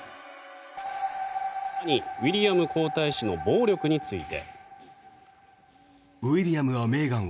兄・ウィリアム皇太子の暴力について。